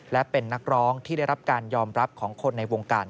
และเป็นนักร้องที่ได้รับการยอมรับของคนในวงการ